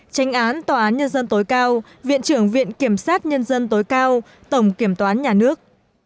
tranh án tòa án nhân dân tối cao viện trưởng viện kiểm sát nhân dân tối cao tổng kiểm toán nhà nước